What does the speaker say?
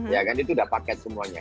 ya kan itu sudah paket semuanya